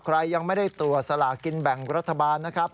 ใครยังไม่ได้ตรวจสลากินแบ่งรัฐบาลนะครับ